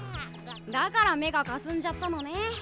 だから目がかすんじゃったのね。